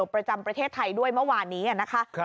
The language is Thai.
ประจำประเทศไทยด้วยเมื่อวานนี้นะคะ